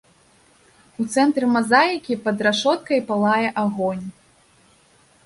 У цэнтры мазаікі пад рашоткай палае агонь.